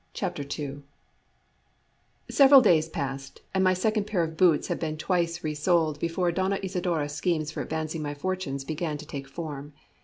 CHAPTER II Several days passed, and my second pair of boots had been twice resoled before Doña Isidora's schemes for advancing my fortunes began to take form.